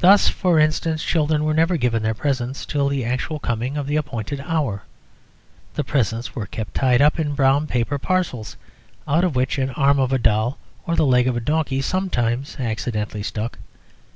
Thus, for instance, children were never given their presents until the actual coming of the appointed hour. The presents were kept tied up in brown paper parcels, out of which an arm of a doll or the leg of a donkey sometimes accidentally stuck.